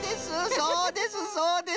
そうですそうです！